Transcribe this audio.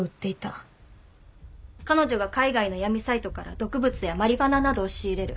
彼女が海外の闇サイトから毒物やマリファナなどを仕入れる。